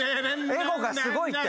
エゴがすごいって。